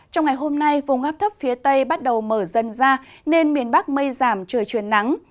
trong ngày hôm nay vùng áp thấp phía tây bắt đầu mở dần ra nên miền bắc mây giảm trời chuyển nắng